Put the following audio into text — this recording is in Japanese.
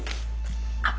あっ。